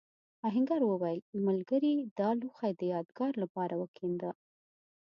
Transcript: آهنګر وویل ملګري دا لوښی د یادگار لپاره وکېنده.